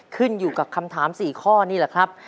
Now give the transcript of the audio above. ขึ้นอยู่กับคำถาม๔ข้อนี่แหละครับ